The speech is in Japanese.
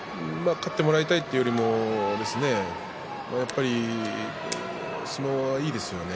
勝ってもらいたいというよりは、やっぱり相撲はいいですよね。